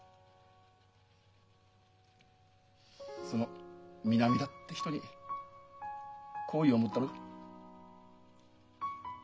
その南田って人に好意を持ったが？